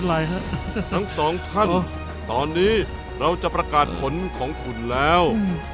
ทั้งสองท่านตอนนี้เราจะประกาศผลของคุณแล้ว